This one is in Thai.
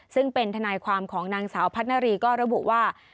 ซึ่งเป็นทนายความของนางสาวพัฒนารีก็ระบุว่า